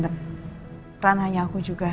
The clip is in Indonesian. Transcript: peranahnya aku juga